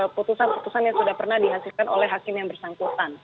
putusan putusan yang sudah pernah dihasilkan oleh hakim yang bersangkutan